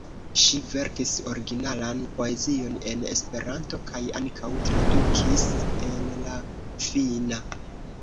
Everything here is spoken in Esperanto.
Ŝi verkis originalan poezion en Esperanto kaj ankaŭ tradukis el la finna.